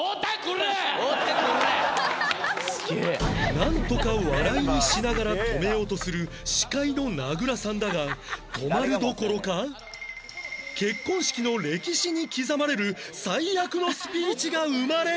なんとか笑いにしながら止めようとする司会の名倉さんだが止まるどころか結婚式の歴史に刻まれる最悪のスピーチが生まれる